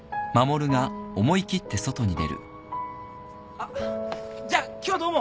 あっじゃ今日はどうも。